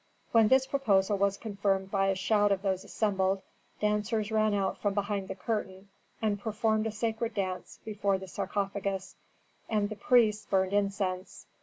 When this proposal was confirmed by a shout of those assembled, dancers ran out from behind the curtain and performed a sacred dance before the sarcophagus, and the priests burned incense.